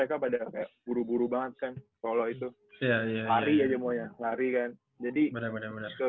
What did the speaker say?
kayaknya mereka pada kayak buru buru banget kan kalo itu lari aja semuanya lari kan